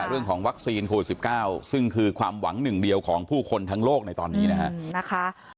เรื่องของวัคซีนโควิด๑๙ซึ่งคือความหวังหนึ่งเดียวของผู้คนทั้งโลกในตอนนี้นะครับ